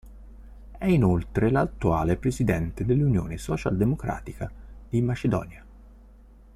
È inoltre l'attuale presidente dell'Unione Socialdemocratica di Macedonia.